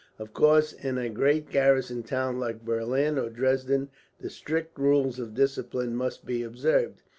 Of course in a great garrison town like Berlin or Dresden the strict rules of discipline must be observed.